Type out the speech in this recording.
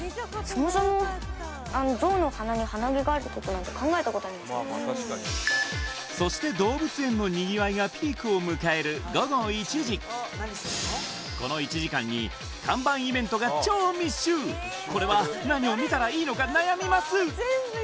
そもそもそして動物園のにぎわいがピークを迎えるこの１時間に看板イベントが超密集これは何を見たらいいのか悩みます